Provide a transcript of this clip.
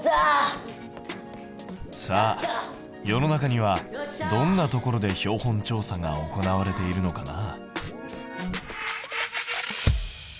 さあ世の中にはどんなところで標本調査が行われているのかな？